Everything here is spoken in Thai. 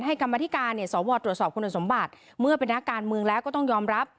กรรมธิการเนี่ยสวตรวจสอบคุณสมบัติเมื่อเป็นนักการเมืองแล้วก็ต้องยอมรับ